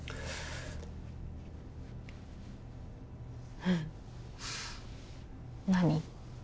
うん何？